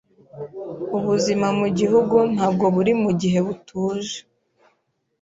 Ubuzima mu gihugu ntabwo buri gihe butuje.